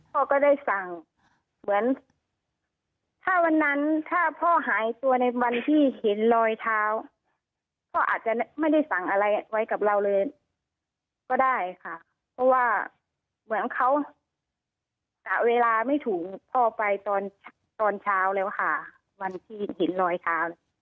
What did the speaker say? พ่อก็ได้สั่งเหมือนถ้าวันนั้นถ้าพ่อหายตัวในวันที่เห็นรอยเท้าพ่ออาจจะไม่ได้สั่งอะไรไว้กับเราเลยก็ได้ค่ะเพราะว่าเหมือนเขากะเวลาไม่ถูกพ่อไปตอนตอนเช้าแล้วค่ะวันที่เห็นรอยเท้า